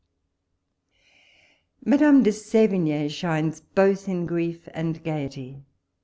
Madame de Sevigne shines both in friei and gaiety.